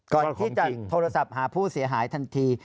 ก่อนที่จะโทรศัพท์หาผู้เสียหายทันที